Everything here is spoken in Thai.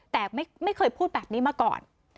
แต่ไม่เคยพูดแบบนี้มาก่อน